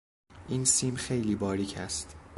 این سیم خیلی باریک است.